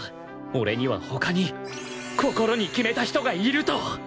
俺には他に心に決めた人がいると！